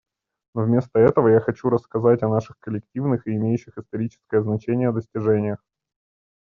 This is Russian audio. Но вместо этого я хочу рассказать о наших коллективных и имеющих историческое значение достижениях.